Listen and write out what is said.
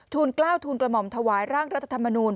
กล้าวทูลกระหม่อมถวายร่างรัฐธรรมนูล